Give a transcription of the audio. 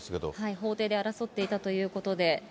法廷で争っていたということで。